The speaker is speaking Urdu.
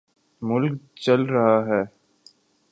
ملک چل رہا ہے۔